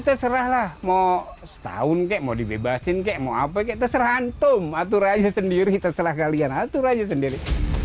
terserah lah mau setahun kek mau dibebasin kek mau apa kek terserah antum atur aja sendiri terserah kalian atur aja sendiri